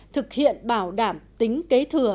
thực hiện bảo đảm tính kế thừa